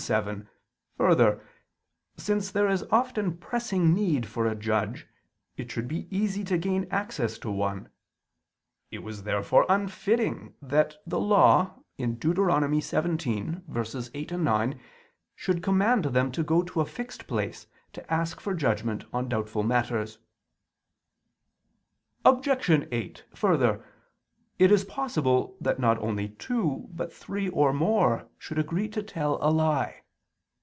7: Further, since there is often pressing need for a judge, it should be easy to gain access to one. It was therefore unfitting that the Law (Deut. 17:8, 9) should command them to go to a fixed place to ask for judgment on doubtful matters. Obj. 8: Further, it is possible that not only two, but three or more, should agree to tell a lie.